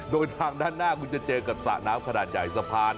โดยทางด้านหน้าคุณจะเจอกับสระน้ำขนาดใหญ่สะพาน